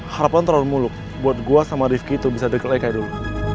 harapan terlalu muluk buat gue sama rifqi itu bisa dikelikai dulu